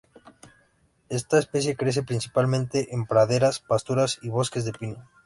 Esta especie crece principalmente en praderas, pasturas y bosques de pino.